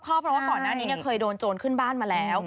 เพราะว่าก่อนหน้านี้เคยโดนโจรขึ้นบ้านมาแล้ว